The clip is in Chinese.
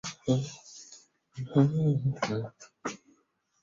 后因屡立军功而被保奏为道员。